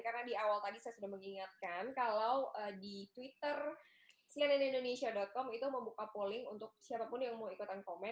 karena di awal tadi saya sudah mengingatkan kalau di twitter cnnindonesia com itu membuka polling untuk siapa pun yang mau ikutan komen